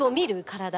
体。